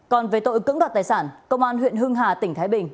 còn về tội cưỡng đoạt tài sản công an huyện hưng hà tỉnh thái bình